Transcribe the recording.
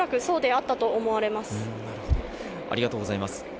ありがとうございます。